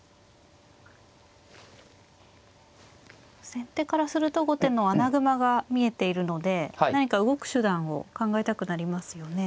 先手からすると後手の穴熊が見えているので何か動く手段を考えたくなりますよね。